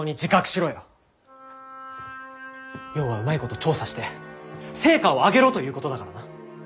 ようはうまいこと調査して成果を上げろということだからな。